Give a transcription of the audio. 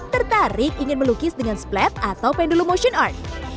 tertarik ingin melukis dengan splat atau pendulum motion art